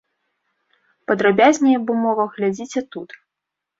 Падрабязней аб умовах глядзіце тут.